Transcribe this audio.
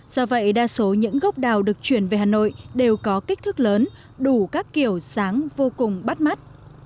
do vậy đa số những gốc đào được chuyển về hà nội đều có kích thước lớn đủ các kiểu dáng vô cùng bắt mắt